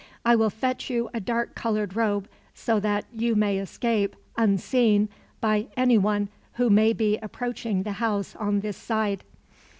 I will fetch you a dark colored robe, so that you may escape, unseen, by anyone who may be approaching the house on this side."